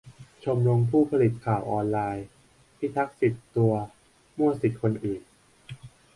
ชมรมผู้ผลิตข่าวออนไลน์ : พิทักษ์สิทธิตัว มั่วสิทธิคนอื่น ?